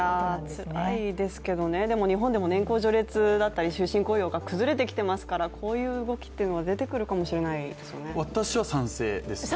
つらいですけど、日本でも年功序列だったり終身雇用が崩れてきていますからこういう動きというのは出てくるかもしれないですよね。